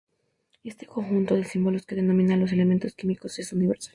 Este conjunto de símbolos que denomina a los elementos químicos es universal.